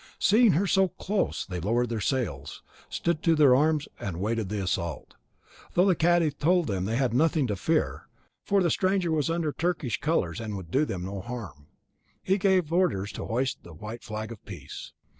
Seeing her so close, they lowered their sails, stood to their arms, and awaited the assault, though the cadi told them they had nothing to fear, for the stranger was under Turkish colours and would do them no harm. He then gave orders to hoist the white flag of peace.